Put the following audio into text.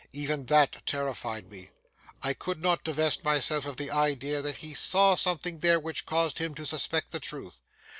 Even that terrified me. I could not divest myself of the idea that he saw something there which caused him to suspect the truth.